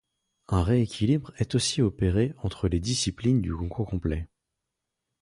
Un rééquilibre est aussi opéré entre les disciplines du concours complet.